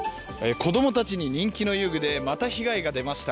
子供たちの人気の遊具でまた被害が起きました。